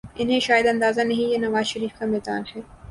انہیں شاید اندازہ نہیں یہ نواز شریف کا میدان ہے۔